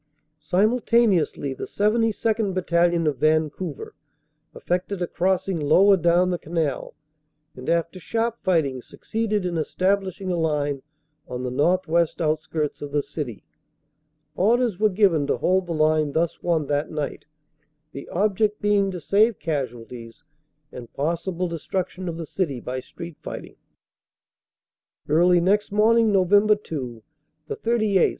Simultaneously the 72nd. Battalion, of Vancouver, effected a crossing lower down the canal, and after sharp fighting suc ceeded in establishing a line on the northwest outskirts of the city. Orders were given to hold the line thus won that night, the object being to save casualties and possible destruction of the city by street fighting. Early next morning, Nov. 2, the 38th.